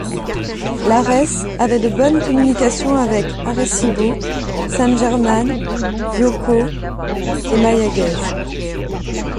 Lares avait de bonnes communications avec Arecibo, San Germán, Yauco, et Mayagüez.